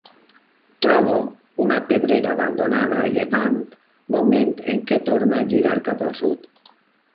Troba una pedrera abandonada, a llevant, moment en què torna a girar cap al sud.